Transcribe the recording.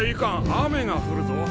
雨が降るぞ。